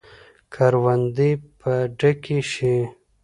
کروندې به ډکې شي.